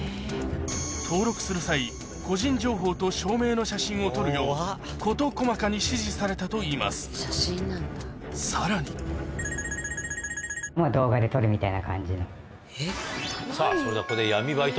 登録する際個人情報と証明の写真を撮るよう事細かに指示されたといいますさらにさぁそれではここで。